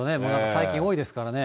最近多いですからね。